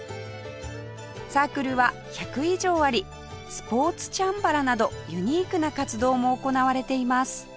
サークルは１００以上ありスポーツチャンバラなどユニークな活動も行われています